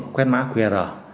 quét mã qr